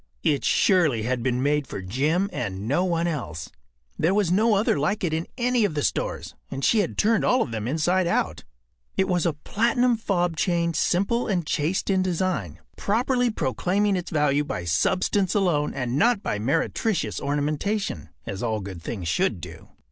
It surely had been made for Jim and no one else. There was no other like it in any of the stores, and she had turned all of them inside out. It was a platinum fob chain simple and chaste in design, properly proclaiming its value by substance alone and not by meretricious ornamentation—as all good things should do.